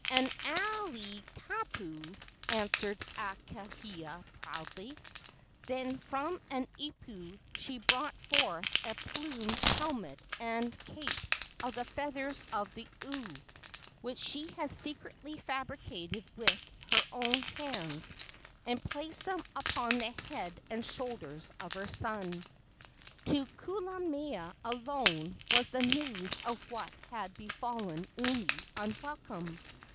"As an alii kapu!" answered Akahia, proudly. Then from an ipu she brought forth a plumed helmet and cape of the feathers of the oo, which she had secretly fabricated with her own hands, and placed them upon the head and shoulders of her son. To Kulamea alone was the news of what had befallen Umi unwelcome.